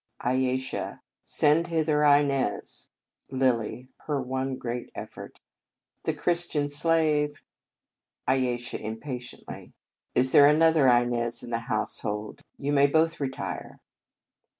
Ayesha. Send hither Inez. Lilly. (Her one great effort.) The Christian slave? Ayesha (impatiently). Is there an 56 The Convent Stage other Inez in the household? You may both retire.